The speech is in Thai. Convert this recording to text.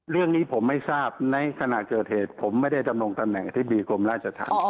เรื่องนี้ผมไม่ทราบในขณะเกิดเหตุผมไม่ได้ดำรงตำแหน่งอธิบดีกรมราชธรรม